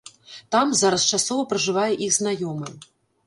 Там зараз часова пражывае іх знаёмы.